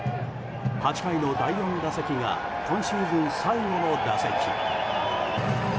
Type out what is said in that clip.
８回の第４打席が今シーズン最後の打席。